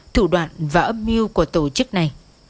thủ đoạn và âm mưu của tổ chức này